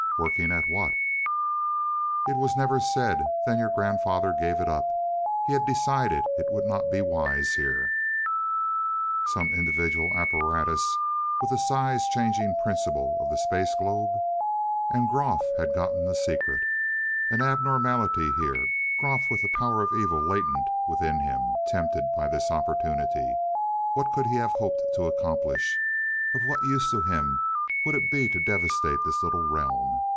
"Working at what?" "It was never said. Then your grandfather gave it up he had decided it would not be wise here." Some individual apparatus, with the size change principle of the space globe? And Groff had gotten the secret. An abnormality here Groff with the power of evil latent within him, tempted by this opportunity. What could he have hoped to accomplish? Of what use to him would it be to devastate this little realm?